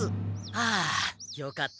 あよかった。